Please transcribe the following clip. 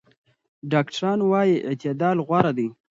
ډاکټران وايي اعتدال غوره دی.